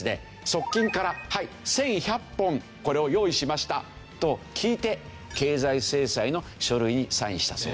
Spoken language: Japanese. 側近から「はい１１００本これを用意しました」と聞いて経済制裁の書類にサインしたそうです。